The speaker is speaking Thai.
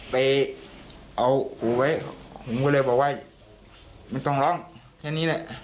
ผมก็เลยบอกว่าไม่ต้องร้องแค่นี้แหละ